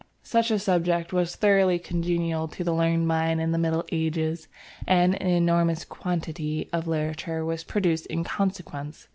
Such a subject was thoroughly congenial to the learned mind in the Middle Ages, and an enormous quantity of literature was produced in consequence.